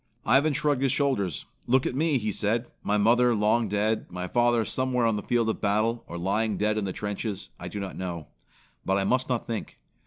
Ivan shrugged his shoulders. "Look at me," he said. "My mother long dead, my father somewhere on the field of battle, or lying dead in the trenches. I do not know; but I must not think.